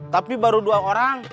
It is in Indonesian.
tapi baru dua orang